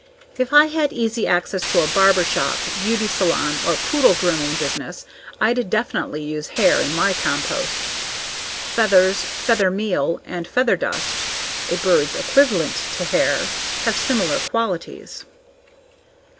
If I had easy access to a barber shop, beauty salon, or poodle grooming business, I'd definitely use hair in my compost. Feathers, feather meal and feather dust (a bird's equivalent to hair) have similar qualities.